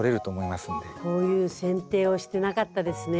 こういう剪定をしてなかったですね